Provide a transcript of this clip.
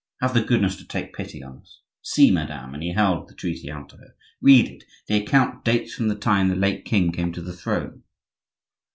Have the goodness to take pity on us. See, madame!" and he held the treaty out to her. "Read it; the account dates from the time the late king came to the throne."